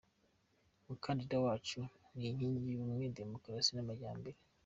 Umukandida wacu ni inking y’ubumwe, demokarasi n’amajyambere.